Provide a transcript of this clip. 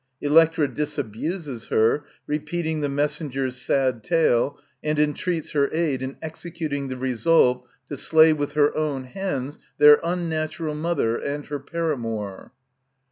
Electra disabuses her, repeating the messenger s sad tale, and entreats her aid in executing the resolve to slay nith her own hands their unnatural mother and her paramour.